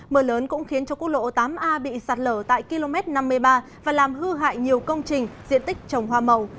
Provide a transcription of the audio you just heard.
mưa lớn cũng khiến cho quốc lộ tám a bị sạt lở tại km năm mươi ba và làm hư hại nhiều công trình diện tích trồng hoa màu